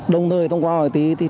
đồng thời thông qua hội thi